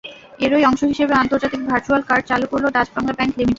এরই অংশ হিসেবে আন্তর্জাতিক ভার্চ্যুয়াল কার্ড চালু করল ডাচ্-বাংলা ব্যাংক লিমিটেড।